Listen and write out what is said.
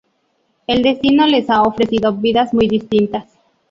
El destino les ha ofrecido vidas muy distintas.